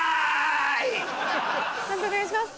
判定お願いします。